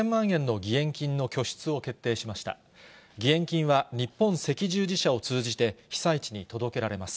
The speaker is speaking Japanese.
義援金は日本赤十字社を通じて、被災地に届けられます。